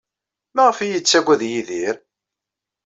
Maɣef ay iyi-yettaggad Yidir?